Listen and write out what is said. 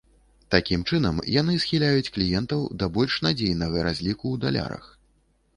Такім чынам яны схіляюць кліентаў да больш надзейнага разліку ў далярах.